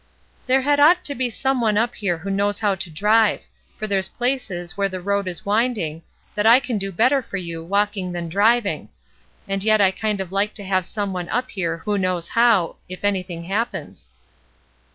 "There had ought to be some one up here who knows how to drive; for there^s places, where the road is winding, that I can do better for you walking than driving; and yet I kind of like to have some one up there who knows how, if anything happens."